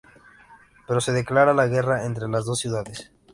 Pero se declara la guerra entre las dos ciudades.